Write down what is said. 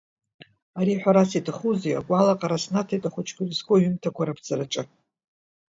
Ари, ҳәарас иаҭахузеи, агәалаҟара снаҭеит ахәыҷқәа ирызку аҩымҭақәа раԥҵараҿы.